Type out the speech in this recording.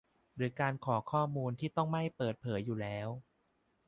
หรือการขอข้อมูลที่ต้องไม่เปิดเผยอยู่แล้ว